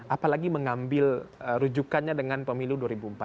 apalagi mengambil rujukannya dengan pemilu dua ribu empat belas